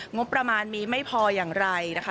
งบประมาณมีไม่พออย่างไรนะคะ